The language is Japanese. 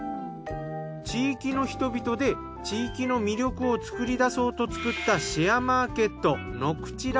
地域の人々で地域の魅力を作り出そうと作ったシェアマーケット